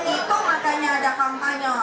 itu makanya ada kampanye